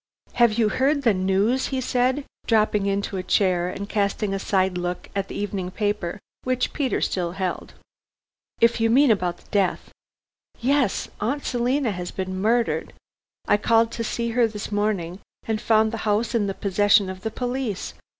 "Have you heard the news?" he said, dropping into a chair and casting a side look at the evening paper which Peter still held. "If you mean about the death " "Yes; Aunt Selina has been murdered. I called to see her this morning, and found the house in the possession of the police.